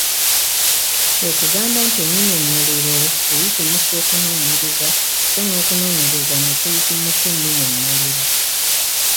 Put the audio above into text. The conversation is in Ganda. Kwe kugamba nti ennyinyonnyolero eyitimusa okunoonyereza so n’okunoonyereza ne kuyitimusa ennyinyonnyolero.